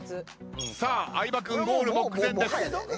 相葉君ゴール目前です。